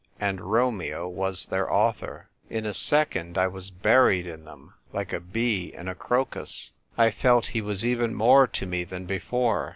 And Romeo was their author. In a second I was buried in them, like a bee in a crocus. I felt he was even more to me than before.